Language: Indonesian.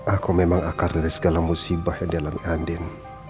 aku memang akar dari segala musibah yang dialami andin